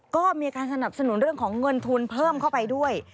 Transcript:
ก็มีการสนับสนุนเรื่องของเงินทุนเพิ่มเข้าไปด้วย